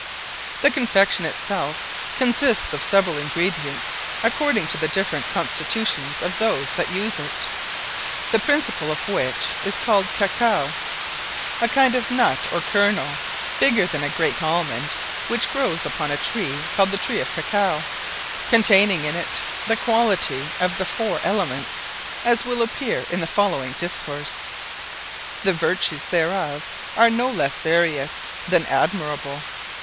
_ _The Confection it selfe, consists of severall Ingredients according to the different Constitutions of those that use it: the Principall of which is called Cacao, [a kind of Nut, or kernell, bigger then a great Almond, which growes upon a tree called the Tree of Cacao] containing in it the Quality of the Foure Elements, as will appeare in the following Discourse._ _The vertues thereof are no lesse various, then Admirable.